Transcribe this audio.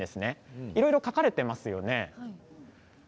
いろいろ描かれていますね。